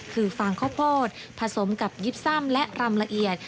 คือฟางข้าวโพดผสมกับยิบซ่ำและรำละเอียด